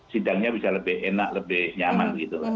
sidangnya bisa lebih enak lebih nyaman begitu